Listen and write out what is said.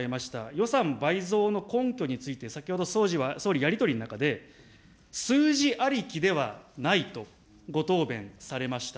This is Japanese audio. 予算倍増の根拠について、先ほど総理、やり取りの中で、数字ありきではないとご答弁されました。